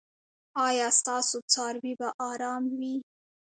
ایا ستاسو څاروي به ارام وي؟